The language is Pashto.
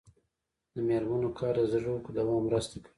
د میرمنو کار د زدکړو دوام مرسته کوي.